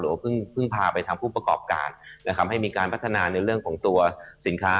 ว่าเพิ่งพาไปทางผู้ประกอบการนะครับให้มีการพัฒนาในเรื่องของตัวสินค้า